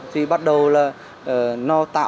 thì bắt đầu là